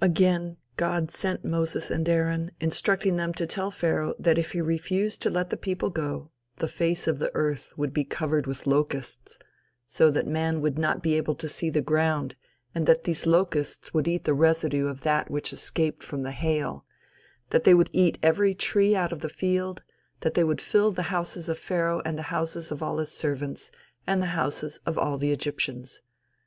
Again, God sent Moses and Aaron, instructing them to tell Pharaoh that if he refused to let the people go, the face of the earth would be covered with locusts, so that man would not be able to see the ground, and that these locusts would eat the residue of that which escaped from the hail; that they would eat every tree out of the field; that they would fill the houses of Pharaoh and the houses of all his servants, and the houses of all the Egyptians.